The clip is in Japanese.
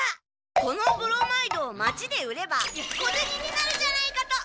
このブロマイドを町で売れば小ゼニになるじゃないかと。